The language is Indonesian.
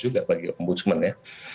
juga bagi ombudsman ya